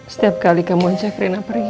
setiap kali kamu cek rina pering